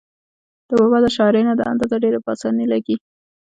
د بابا د شاعرۍ نه دا اندازه ډېره پۀ اسانه لګي